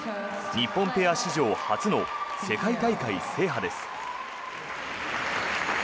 日本ペア史上初の世界大会制覇です。